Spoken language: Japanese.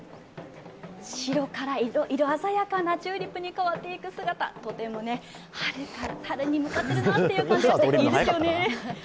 白から色鮮やかなチューリップに変わっていく姿、とても春に向かってるなという感じがしていいですよね。